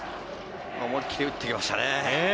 思い切り、打っていきましたね。